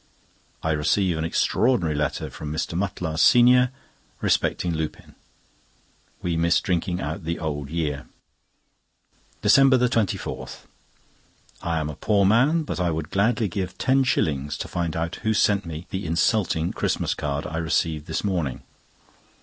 I receive an extraordinary letter from Mr. Mutlar, senior, respecting Lupin. We miss drinking out the Old Year. DECEMBER 24.—I am a poor man, but I would gladly give ten shillings to find out who sent me the insulting Christmas card I received this morning.